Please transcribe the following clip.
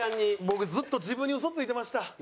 僕ずっと自分に嘘ついてました。